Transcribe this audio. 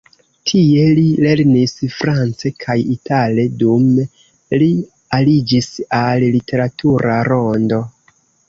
Tie li lernis france kaj itale, dume li aliĝis al literatura rondo.